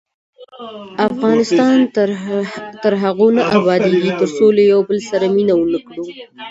افغانستان تر هغو نه ابادیږي، ترڅو له یو بل سره مینه ونه کړو.